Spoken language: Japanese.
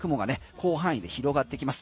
広範囲で広がってきます。